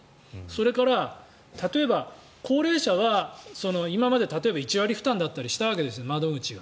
それから例えば高齢者は今まで例えば１割負担だったりしたわけです窓口が。